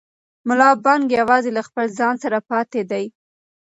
ملا بانګ یوازې له خپل ځان سره پاتې دی.